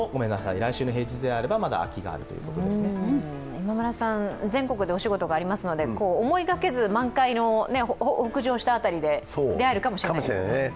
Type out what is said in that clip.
今村さん、全国でお仕事がありますので思いがけず満開の北上した辺りで出会えるかもしれないですね。